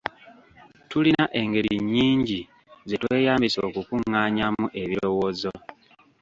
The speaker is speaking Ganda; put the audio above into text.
Tulina engeri nnyingi ze tweyambisa okukungaanyaamu ebirowoozo.